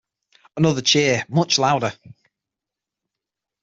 Another cheer, much louder.